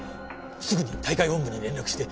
すぐに大会本部に連絡して。